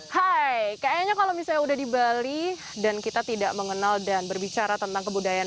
hai kayaknya kalau misalnya udah di bali dan kita tidak mengenal dan berbicara tentang kebudayaan